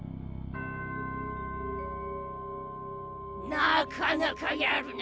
なかなかやるな。